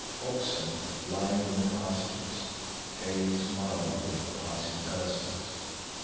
Oxen, lying in the pastures, gazed mildly at the passing persons.